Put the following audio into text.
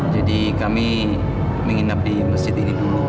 jadi kami menginap di masjid ini dulu